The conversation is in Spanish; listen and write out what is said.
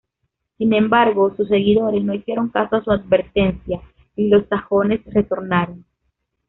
Sin embargo, sus seguidores no hicieron caso a su advertencia y los sajones retornaron.